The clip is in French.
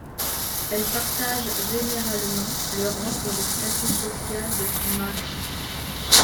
Elle partage généralement le rang et le statut social de son mari.